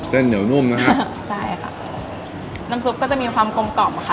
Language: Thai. เส้นเหนียวนุ่มนะฮะใช่ค่ะน้ำซุปก็จะมีความกลมกล่อมค่ะ